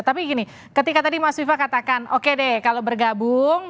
tapi gini ketika tadi mas viva katakan oke deh kalau bergabung